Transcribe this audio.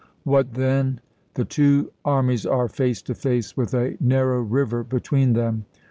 " What then ? The two armies are face to face with a narrow river between them.